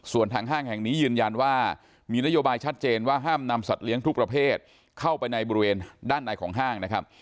ส่วนทางห้างแห่งนี้ยืนยันว่ามีนโยบายชัดเจนว่าห้ามนำสัตว์เลี้ยงทุกประเภทเข้าไปในบริเวณด้านในของห้างนะครับ